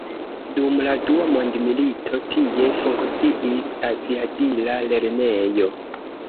Dum la dua mondmilito, tie funkciis aviadila lernejo.